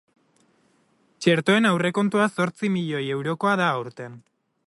Txertoen aurrekontua zortzi milioi eurokoa da aurten.